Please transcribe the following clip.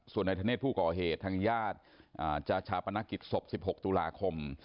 ส่วนนายธเนธผู้ก่อเหตุทางญาติจะชาปนกิจศพ๑๖ตุลาคม